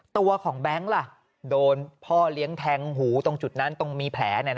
ตัวของแบงค์ล่ะโดนพ่อเลี้ยงแทงหูตรงจุดนั้นตรงมีแผล